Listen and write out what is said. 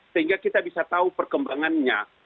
sehingga kita bisa tahu perkembangannya